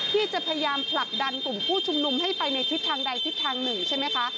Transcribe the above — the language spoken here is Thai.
ที่จะพยายามผลักดันกลุ่มผู้ชุมนุมให้ไปในทิศทางใดทิศทางหนึ่งใช่ไหมคะ